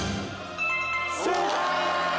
正解！